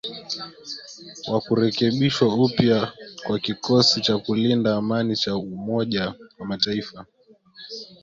wa kurekebishwa upya kwa kikosi cha kulinda amani cha Umoja wa Mataifa